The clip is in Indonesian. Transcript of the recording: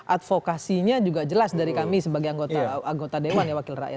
advokasinya juga jelas dari kami sebagai anggota dewan ya wakil rakyat